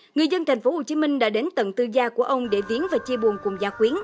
người dân tp hcm đã đến tận tư gia của ông để viến và chia buồn cùng gia quyến